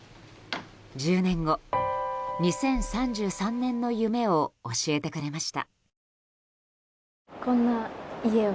１０年後、２０３３年の夢を教えてくれました。